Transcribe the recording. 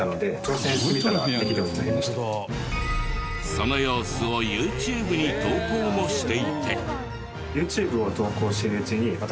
その様子をＹｏｕＴｕｂｅに投稿もしていて。